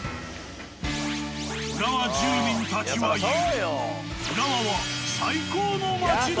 浦和住民たちは言う。